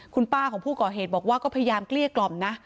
คุณป้าของผู้ก่อเหตุบอกว่าก็พยายามเกลี้ยกล่อมนะ